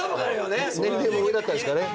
年齢も上だったんですかね